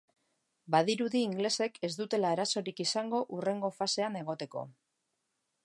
Badirudi ingelesek ez dutela arazorik izango hurrengo fasean egoteko.